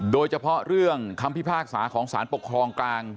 โดยเฉพาะเรื่องคำพิพากษาของสารปกครองกลาง